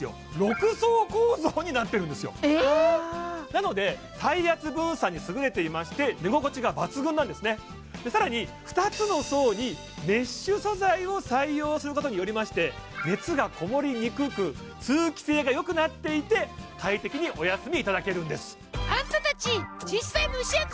なので体圧分散に優れていまして寝心地が抜群なんですねでさらに２つの層にメッシュ素材を採用することによりまして熱がこもりにくく通気性がよくなっていて快適にお休みいただけるんですあんた